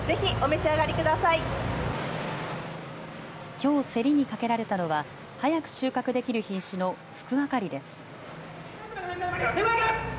きょう競りにかけられたのは早く収穫できる品種のふくあかりです。